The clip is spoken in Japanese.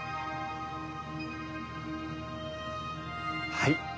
はい。